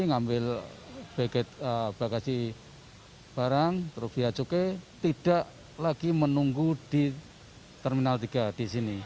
ngambil bagasi barang terus biaya cukai tidak lagi menunggu di terminal tiga di sini